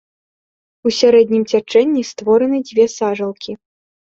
У сярэднім цячэнні створаны дзве сажалкі.